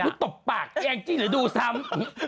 หนูตบปากแกงกินเดี๋ยวดูซ้ำ